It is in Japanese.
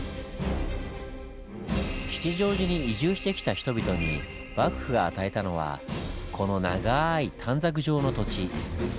吉祥寺に移住してきた人々に幕府が与えたのはこのながい短冊状の土地。